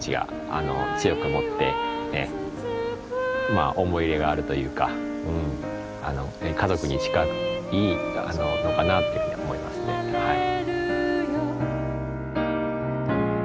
まあ思い入れがあるというかうん家族に近いのかなっていうふうに思いますねはい。